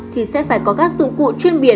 thì sẽ phải có các dụng cụ chuyên biệt